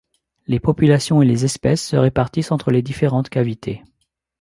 Les populations et les espèces se répartissent entre les différentes cavités.